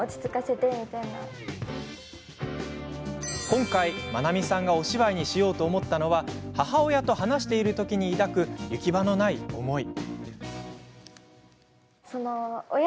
今回、まなみさんがお芝居にしようと思ったのは母親と話しているときに抱く行き場のない思い。